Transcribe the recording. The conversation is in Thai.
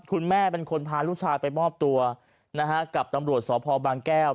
คุณแม่เป็นคนพาลูกชายไปมอบตัวนะฮะกับตำรวจสพบางแก้ว